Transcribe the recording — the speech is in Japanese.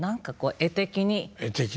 絵的にね。